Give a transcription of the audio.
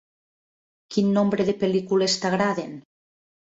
Quin nombre de pel·lícules t'agraden?